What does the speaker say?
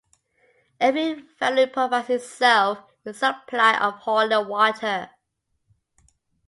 Every family provides itself with a supply of holy water.